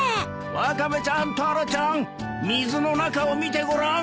ワカメちゃんタラちゃん水の中を見てごらん！